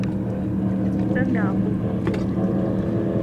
分秒不空过